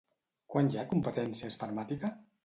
Quan hi ha competència espermàtica?